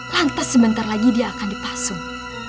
lantas sebentar lagi dia akan dipasung